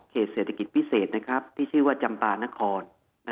เศรษฐกิจพิเศษที่ชื่อว่าจำปานคร